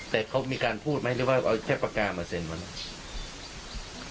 แต่เขามีการพูดไหมหรือว่าเอาแค่ปากกามาเซ็นวันนั้น